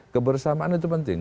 kebersamaan itu penting